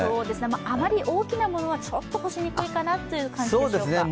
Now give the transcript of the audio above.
あまり大きなものはちょっと干しにくいかなという感じでしょうか。